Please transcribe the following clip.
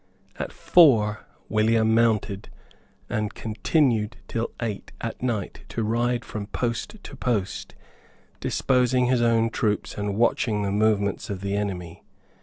At four William mounted, and continued till eight at night to ride from post to post, disposing his own troops and watching the movements of the enemy.